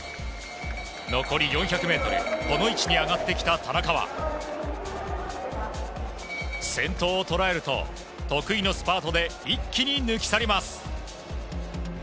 残り４００ｍこの位置に上がってきた田中は先頭を捉えると得意のスパートで一気に抜き去ります。